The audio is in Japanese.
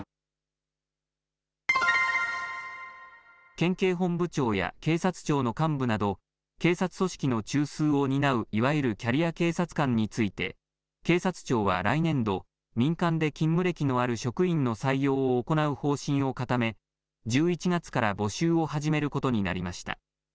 県警本部長や警察庁の幹部など警察組織の中枢を担ういわゆるキャリア警察官について警察庁は来年度、民間で勤務歴のある職員の採用を行う方針を固め１１月から募集を始めることになりました。